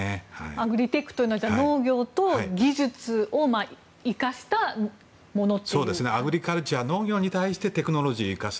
アグリテックというのは農業と技術を生かしたものアグリカルチャー農業に対してテクノロジーを生かす。